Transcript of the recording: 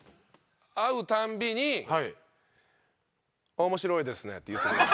会うたびに「面白いですね」って言ってくれる。